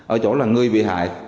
ở chỗ là người bị hại